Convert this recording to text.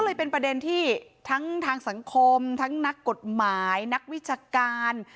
เลยเป็นประเด็นที่ทั้งทางสังคมทั้งนักกฎหมายนักวิชาการ